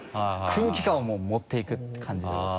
空気感を持って行くって感じですね。